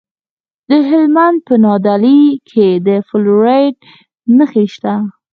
د هلمند په نادعلي کې د فلورایټ نښې شته.